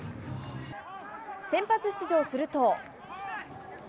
先発出場すると。